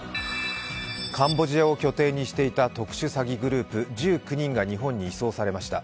カンボジアを拠点にしていた特殊詐欺グループ１９人が日本に移送されました。